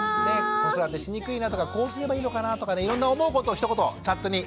子育てしにくいなとかこうすればいいのかなとかいろんな思うことをひと言チャットに書き込んで下さい。